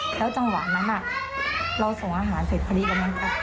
แล้วจังหวะนั้นเราส่งอาหารเสร็จพอดีกำลังจะ